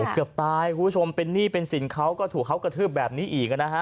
เกือบตายคุณผู้ชมเป็นหนี้เป็นสินเขาก็ถูกเขากระทืบแบบนี้อีกนะฮะ